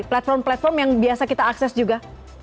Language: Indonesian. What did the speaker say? platform platform yang biasa kita akses juga